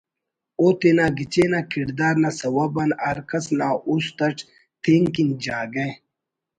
اوتینا گچین آ کڑدار نا سوب آن ہر کس نا اُست اَٹ تین کن جاگہ